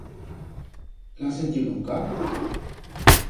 L'han sentiu nunca?